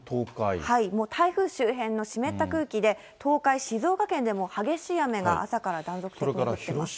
もう台風周辺の湿った空気で、東海、静岡県でも激しい雨が朝から断続的に降っています。